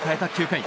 ９回。